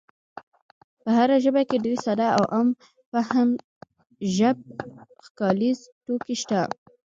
په هره ژبه کې ډېر ساده او عام فهمه ژب ښکلاییز توکي شته.